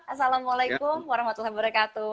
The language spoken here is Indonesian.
assalamualaikum warahmatullahi wabarakatuh